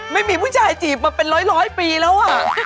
ไม่มีผู้ชายจีบมาเป็นร้อยปีแล้ว